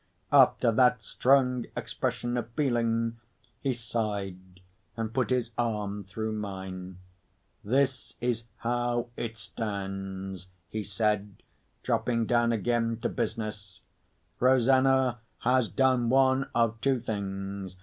After that strong expression of feeling, he sighed, and put his arm through mine. "This is how it stands," he said, dropping down again to business. "Rosanna has done one of two things.